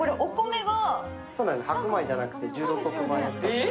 白米じゃなくて十六穀米です。